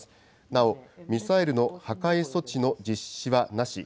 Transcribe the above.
なお、ミサイルの破壊措置の実施はなし。